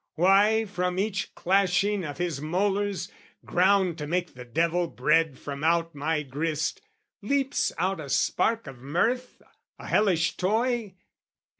Why from each clashing of his molars, ground To make the devil bread from out my grist, Leaps out a spark of mirth, a hellish toy?